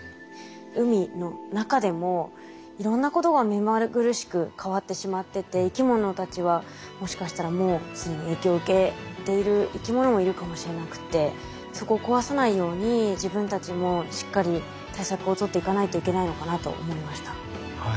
海の中でもいろんなことが目まぐるしく変わってしまってて生き物たちはもしかしたらもう既に影響を受けている生き物もいるかもしれなくてそこを壊さないように自分たちもしっかり対策をとっていかないといけないのかなと思いました。